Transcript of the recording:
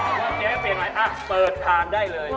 เริ่มเจ๊ให้เปลี่ยนไหมอะเปิดทานได้เลย